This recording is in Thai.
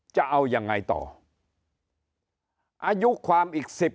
จะเอายังไงต่ออายุความอีกสิบ